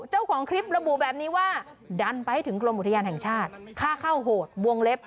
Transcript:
เจ้าของคลิประบุแบบนี้ว่าดันไปให้ถึงกรมอุทยานแห่งชาติค่าเข้าโหดวงเล็บ